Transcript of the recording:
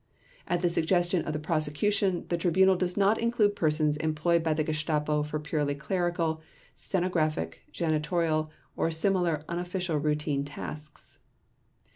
At the suggestion of the Prosecution the Tribunal does not include persons employed by the Gestapo for purely clerical, stenographic, janitorial, or similar unofficial routine tasks.